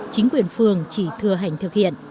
chính quyền phường chỉ thừa hành thực hiện